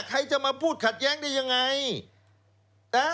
ใครจะมาพูดขัดแย้งได้ยังไงนะ